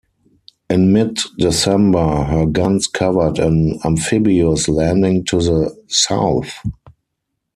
In mid-December, her guns covered an amphibious landing to the south.